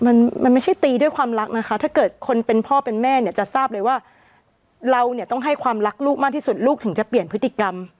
มันมันไม่ใช่ตีด้วยความรักนะคะถ้าเกิดคนเป็นพ่อเป็นแม่เนี่ยจะทราบเลยว่าเราเนี่ยต้องให้ความรักลูกมากที่สุดลูกถึงจะเปลี่ยนพฤติกรรม